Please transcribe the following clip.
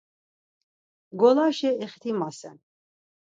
Ngolaşa ixtimasen.